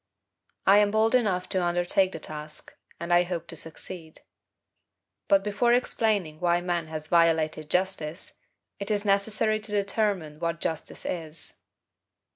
I am bold enough to undertake the task, and I hope to succeed. But before explaining why man has violated justice, it is necessary to determine what justice is.